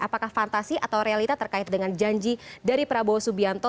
apakah fantasi atau realita terkait dengan janji dari prabowo subianto